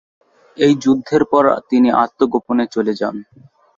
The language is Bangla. এই যুদ্ধের পরে তিনি আত্মগোপনে চলে যান।